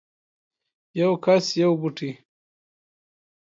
یو کس یو بوټی